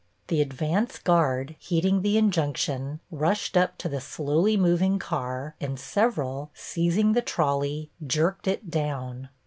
The advance guard, heeding the injunction, rushed up to the slowly moving car, and several, seizing the trolley, jerked it down.